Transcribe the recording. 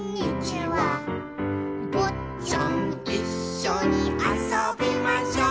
「ぼっちゃんいっしょにあそびましょう」